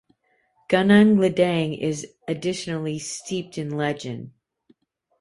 Gunung Ledang is additionally steeped in legend.